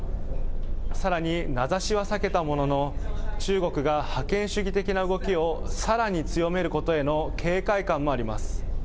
さらに名指しは避けたものの、中国が覇権主義的な動きをさらに強めることへの警戒感もあります。